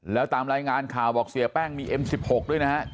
แล้วตามรายงานข่าวบอกเสียแป้งมีเอ็ม๑๖ด้วยนะฮะ